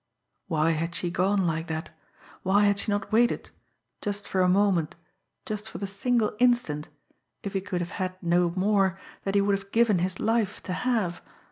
Why had she gone like that? Why had she not waited just for a moment, just for the single instant, if he could have had no more, that he would have given his life to have?